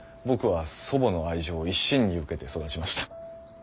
僕は祖母の愛情を一身に受けて育ちました。